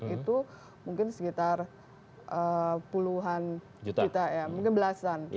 itu mungkin sekitar puluhan juta ya mungkin belasan